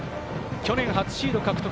去年初シード獲得。